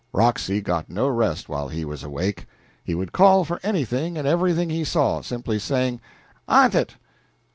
Roxy got no rest while he was awake. He would call for anything and everything he saw, simply saying "Awnt it!"